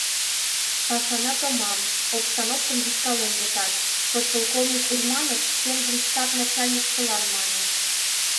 — Пашана томам, — обстановкым вискален лектат, подполковник Урманов шкенжын штаб начальникшылан мане.